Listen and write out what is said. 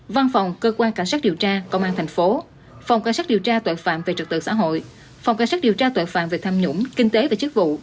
văn phòng cơ quan cảnh sát điều tra công an thành phố phòng cảnh sát điều tra tội phạm về trật tự xã hội phòng cảnh sát điều tra tội phạm về tham nhũng kinh tế và chức vụ